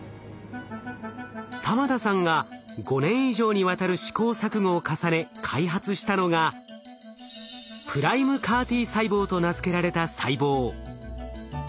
玉田さんが５年以上にわたる試行錯誤を重ね開発したのがＰＲＩＭＥＣＡＲ−Ｔ細胞と名付けられた細胞。